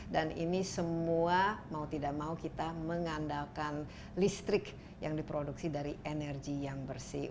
dan ini semua mau tidak mau kita mengandalkan listrik yang diproduksi dari energi yang bersih